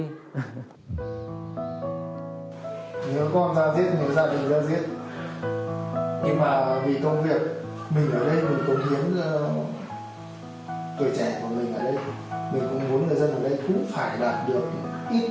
nếu con ra diễn thì ra đường ra diễn